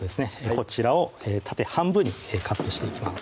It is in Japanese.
こちらを縦半分にカットしていきます